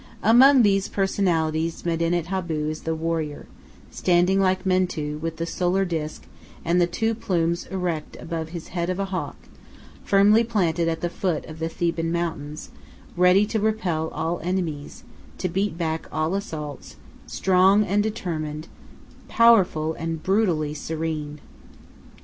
Among these personalities Medinet Abu is the warrior, standing like Mentu, with the solar disk, and the two plumes erect above his head of a hawk, firmly planted at the foot of the Theban mountains, ready to repel all enemies, to beat back all assaults, strong and determined, powerful and brutally serene.